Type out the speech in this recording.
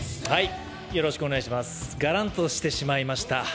がらんとしてしまいました。